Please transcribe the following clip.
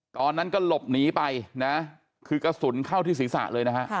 ตอนนั้นก็หลบหนีไปนะคือกระสุนเข้าที่ศีรษะเลยนะฮะ